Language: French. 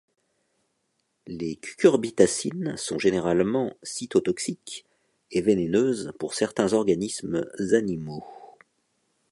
Les cucurbitacines sont généralement cytotoxiques et vénéneuses pour certains organismes animaux.